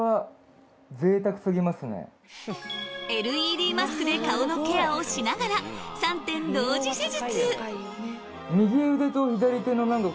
ＬＥＤマスクで顔のケアをしながら３点同時施術